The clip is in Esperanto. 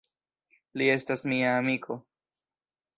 Li estas mia amiko.